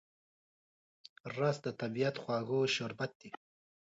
رس د طبیعت خواږه شربت دی